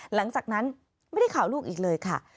หลังจากนั้นไม่ได้ข่าวลูกอีกเลยค่ะ